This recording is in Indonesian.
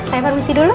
saya baru isi dulu